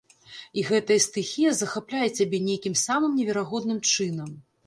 І гэтая стыхія захапляе цябе нейкім самым неверагодным чынам.